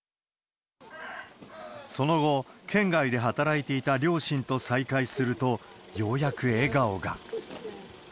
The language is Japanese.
その後、県外で働いていた両親と再会すると、ようやく笑顔が。